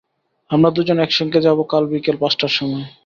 আমরা দুজন একসঙ্গে যাব কাল বিকেল পাঁচটার সময়।